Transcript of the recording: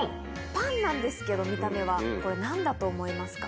パンなんですけど見た目はこれ何だと思いますか？